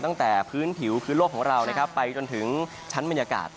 ตั้งแต่พื้นผิวพื้นโลกของเรานะครับไปจนถึงชั้นบรรยากาศ